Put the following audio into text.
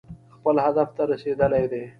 خپل هدف ته رسېدلي دي.